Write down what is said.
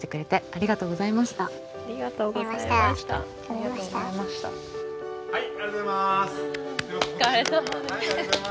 ・ありがとうございます。